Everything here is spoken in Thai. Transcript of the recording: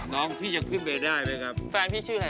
น้องพี่อย่าขึ้นไปหาแฟนพี่เยอะ